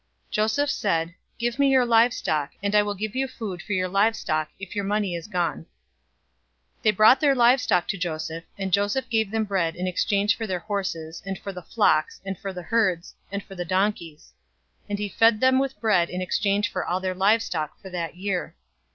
047:016 Joseph said, "Give me your livestock; and I will give you food for your livestock, if your money is gone." 047:017 They brought their livestock to Joseph, and Joseph gave them bread in exchange for the horses, and for the flocks, and for the herds, and for the donkeys: and he fed them with bread in exchange for all their livestock for that year.